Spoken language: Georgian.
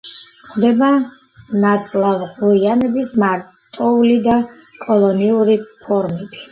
გვხვდება ნაწლავღრუიანების მარტოული და კოლონიური ფორმები.